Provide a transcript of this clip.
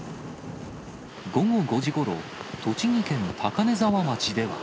午後５時ごろ、栃木県高根沢町では。